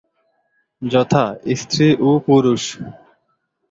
যথাঃ স্ত্রী ও পুরুষ।